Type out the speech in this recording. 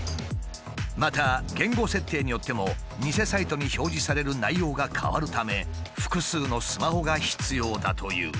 また言語設定によっても偽サイトに表示される内容が変わるため複数のスマホが必要だという。